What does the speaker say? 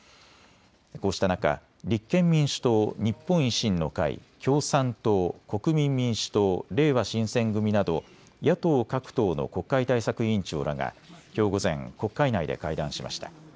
こうした中、立憲民主党、日本維新の会、共産党、国民民主党、れいわ新選組など野党各党の国会対策委員長らがきょう午前国会内で会談しました。